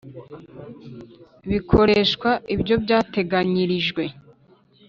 bikoreshwa ibyo byateganyirijwe